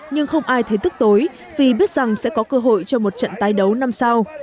nhưng không ai thấy tức tối vì biết rằng sẽ có cơ hội cho một trận tái đấu năm sau